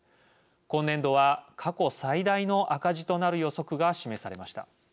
今年度は過去最大の赤字となる予測が示されました。